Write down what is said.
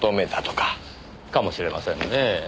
かもしれませんねぇ。